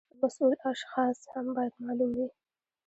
وخت او مسؤل اشخاص هم باید معلوم وي.